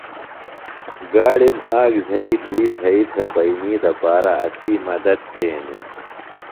گاڑِم آک زھئی دُئی زھئی تھےۡ بئنی دپارہ اسی مدد تھینِم۔